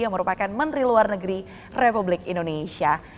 yang merupakan menteri luar negeri republik indonesia